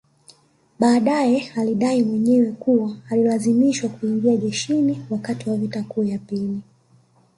Baadae alidai mwenyewe kuwa alilazimishwa kuingia jeshini wakati wa vita kuu ya pili